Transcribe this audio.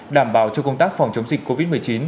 đảm bảo cho công tác phòng chống dịch covid một mươi chín